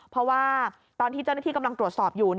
เพราะว่าตอนที่เจ้าหน้าที่กำลังตรวจสอบอยู่